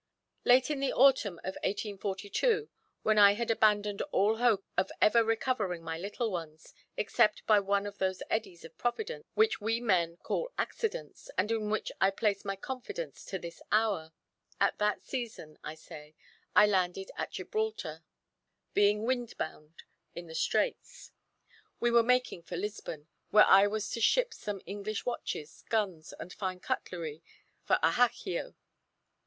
Late in the autumn of 1812, when I had abandoned all hope of ever recovering my little ones, except by one of those eddies of Providence, which we men call accidents, and in which I place my confidence to this hour, at that season, I say, I landed at Gibraltar, being wind bound in the straits. We were making for Lisbon, where I was to ship some English watches, guns, and fine cutlery for Ajaccio.